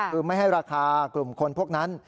คือไม่ให้ราคากลุ่มคนพวกนั้น